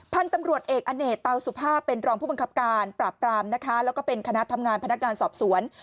พันธุ์ตำรวจเอกอเนกเตาสุภาพเป็นรองผู้บังคับการปราบปรามนะคะแล้วก็เป็นคณะทำงานพนักงานสอบสวน